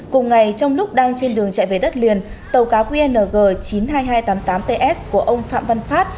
cùng ngày trong lúc đang trên đường chạy về đất liền tàu cá qng chín mươi hai nghìn hai trăm tám mươi tám ts của ông phạm văn phát